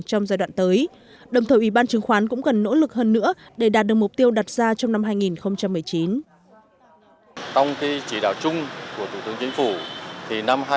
đồng thời ủy ban chứng khoán cũng cần nỗ lực hơn nữa để đạt được mục tiêu đặt ra trong năm hai nghìn một mươi chín